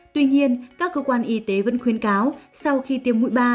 tuy nhiên các cơ quan y tế vẫn khuyến cáo sau khi tiêm mũi ba